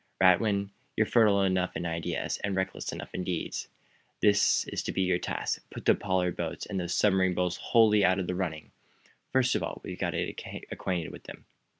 Radwin, you're fertile enough in ideas, and reckless enough in deeds. This is to be your task put the Pollard boats and those submarine boys wholly out of the running! First of all, we'll get acquainted with them.